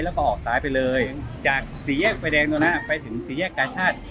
แล้วก็ออกซ้ายไปเลยจากสี่แยกไฟแดงตรงนั้นไปถึงสี่แยกกาชาติ